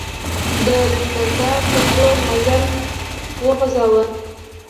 د لښکرګاه پر لور مزل وغځاوه.